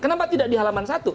kenapa tidak di halaman satu